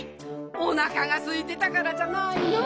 おなかがすいてたからじゃないの？